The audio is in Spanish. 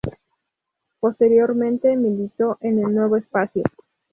Posteriormente militó en el Nuevo Espacio.